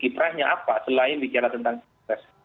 iprahnya apa selain bicara tentang sukses